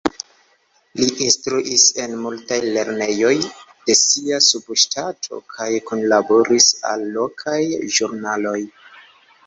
Li instruis en multaj lernejoj de sia subŝtato kaj kunlaboris al lokaj ĵurnaloj.